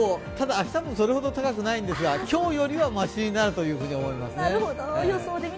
ただ、明日もそれほど高くないんですが、今日よりはましになると思いますね。